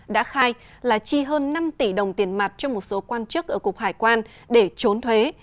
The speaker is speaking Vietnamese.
đã khai là chi hơn năm tỷ đồng tiền mặt cho một số quan chức ở cục hải quan để trốn thuế